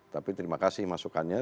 tapi terima kasih masukannya